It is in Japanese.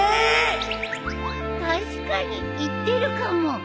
確かに言ってるかも。